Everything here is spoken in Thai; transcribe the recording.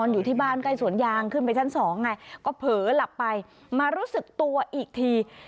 อยู่ที่บ้านใกล้สวนยางขึ้นไปชั้นสองไงก็เผลอหลับไปมารู้สึกตัวอีกที